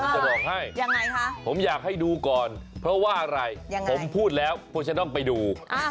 จะบอกให้ผมอยากให้ดูก่อนเพราะว่าอะไรผมพูดแล้วพวกฉันต้องไปดู